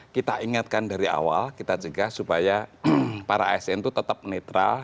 kita ingatkan dari awal kita cegah supaya para asn itu tetap netral